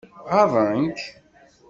Ɣaḍen-k?